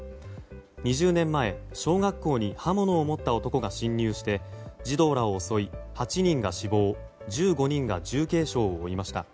２０年前、小学校に刃物を持った男が侵入して児童らを襲い、８人が死亡１５人が重軽傷を負いました。